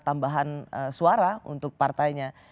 tambahan suara untuk partainya